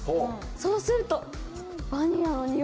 そうすると。